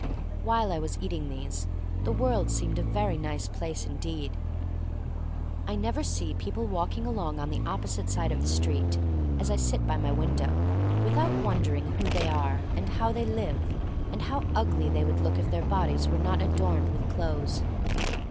While I was eating these the .world seemed a very nice place in deed. I never see people walking along on the opposite side of the street, as I sit by my window, without wondering who they are, and how they live, and how ugly they would look if their bodies were not adorned with clothes.